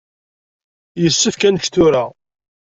Yessefk ad nečč tura.